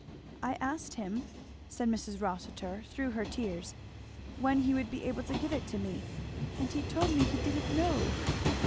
"I asked him," said Mrs. Rossitur through her tears, "when he would be able to give it to me; and he told me he didn't know!